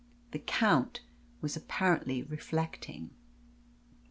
The Count was apparently reflecting.